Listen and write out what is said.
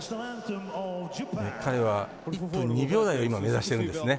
彼は、１分２秒台を今、目指してるんですね。